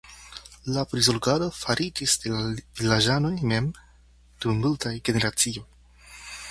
La prizorgado faritis de la vilaĝanoj mem dum multaj generacioj.